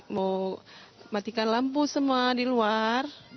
mau matikan lampu semua di luar